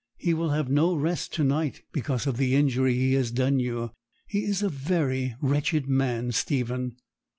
He will have no rest to night because of the injury he has done you. He is a very wretched man, Stephen.'